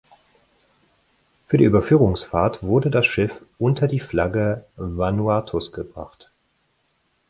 Für die Überführungsfahrt wurde das Schiff unter die Flagge Vanuatus gebracht.